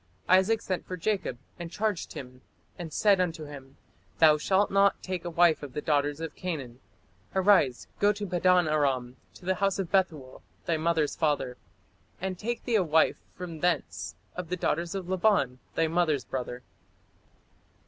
" Isaac sent for Jacob, "and charged him, and said unto him, Thou shalt not take a wife of the daughters of Canaan. Arise, go to Padan aram, to the house of Bethuel, thy mother's father; and take thee a wife from thence of the daughters of Laban, thy mother's brother."